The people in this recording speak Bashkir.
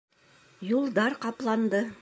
Юлдар ҡапланды.